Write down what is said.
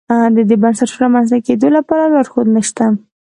د دې بنسټونو رامنځته کېدو لپاره لارښود نه شته.